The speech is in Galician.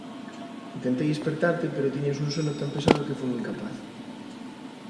intentei espertarte pero tiñas un sono tan pesado que fun incapaz.